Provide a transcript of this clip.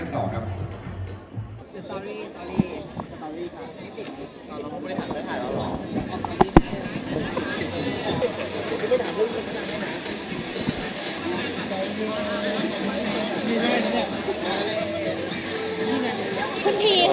สองนะครับสามสองหนึ่ง